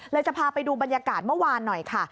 จะพาไปดูบรรยากาศเมื่อวานหน่อยค่ะ